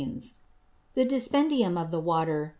17½. The Dispendium of the Water Gr.